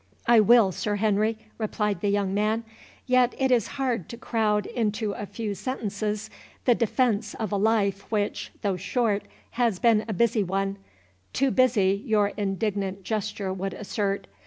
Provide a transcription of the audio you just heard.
"I will, Sir Henry," replied the young man; "yet it is hard to crowd into a few sentences, the defence of a life which, though short, has been a busy one—too busy, your indignant gesture would assert.